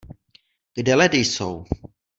Kde ledy jsou?